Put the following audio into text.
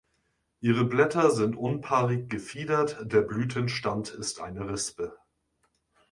Ihre Blätter sind unpaarig gefiedert, der Blütenstand ist eine Rispe.